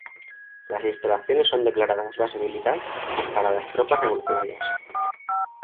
Las instalaciones son declaradas base militar para las tropas revolucionarias.